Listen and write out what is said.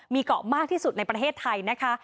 มีเกาะมากที่สุดในประเทศไทยนะคะ